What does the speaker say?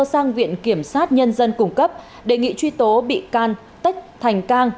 sang viện kiểm sát nhân dân cung cấp đề nghị truy tố bị can tất thành can